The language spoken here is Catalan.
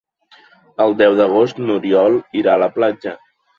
El deu d'agost n'Oriol irà a la platja.